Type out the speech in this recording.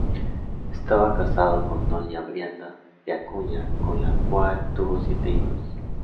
Estaba casado con doña Brianda de Acuña, con la cual tuvo siete hijos.